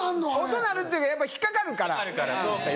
音鳴るっていうかやっぱ引っかかるから。